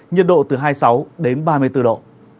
nhiệt độ từ hai mươi sáu đến ba mươi bốn độ